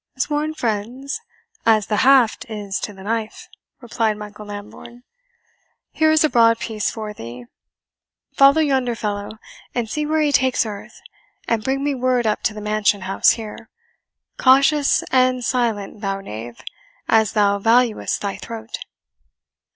"Sworn friends, as the haft is to the knife," replied Michael Lambourne. "Here is a broad piece for thee. Follow yonder fellow, and see where he takes earth, and bring me word up to the mansion house here. Cautious and silent, thou knave, as thou valuest thy throat."